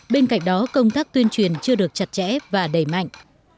bên cạnh đó công tác tuyên truyền chưa được chặt chẽ và đẩy mạnh